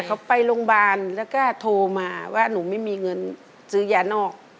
เขาไปโรงพยาบาลแล้วก็โทรมาว่าหนูไม่มีเงินซื้อยานอก